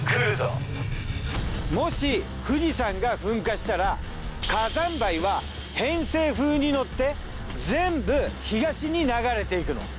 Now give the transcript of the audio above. もし富士山が噴火したら火山灰は偏西風に乗って全部東に流れていくの。